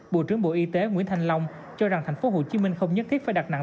bộ trưởng bộ y tế nguyễn thanh long cho rằng tp hcm không nhất thiết phải đặt nặng